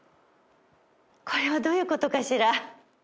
これはどういうことかしら？